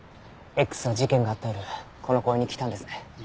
Ｘは事件があった夜この公園に来たんですね。